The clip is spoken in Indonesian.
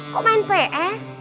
kok main ps